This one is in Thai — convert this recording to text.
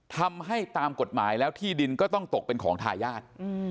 ทำให้ตามกฎหมายแล้วที่ดินก็ต้องตกเป็นของทายาท